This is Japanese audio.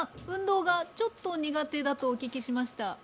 運動がちょっと苦手だとお聞きしました。